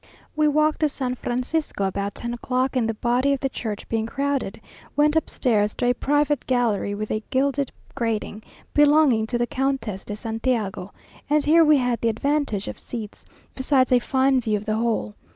We walked to San Francisco about ten o'clock, and the body of the church being crowded, went upstairs to a private gallery with a gilded grating, belonging to the Countess de Santiago, and here we had the advantage of seats, besides a fine view of the whole.